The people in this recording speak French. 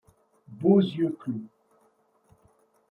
Beaux yeux clos